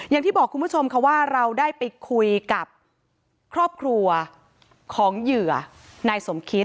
อย่างที่บอกคุณผู้ชมค่ะว่าเราได้ไปคุยกับครอบครัวของเหยื่อนายสมคิต